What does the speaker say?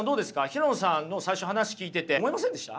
平野さんの最初話聞いてて思いませんでした？